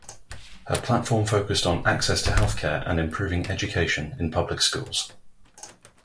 Her platform focused on access to healthcare and improving education in public schools.